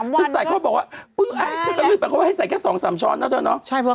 ฉันใส่เค้าบอกว่าเพื่อให้ใส่แค่๒๓ช้อนนะเถอะเนอะ